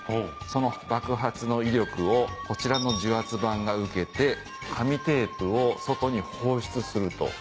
その爆発の威力をこちらの受圧板が受けて紙テープを外に放出すると。